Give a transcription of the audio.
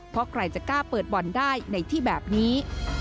เพราะใครจะกล้าเปิดบ่อนได้ในที่แบบนี้